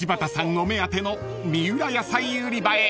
お目当ての三浦野菜売り場へ］